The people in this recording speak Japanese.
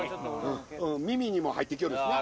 耳にも入ってきよるしな。